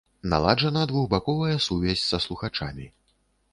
Наладжана двухбаковая сувязь са слухачамі.